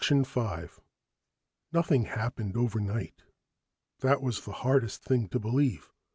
Nothing happened overnight. That was the hardest thing to believe.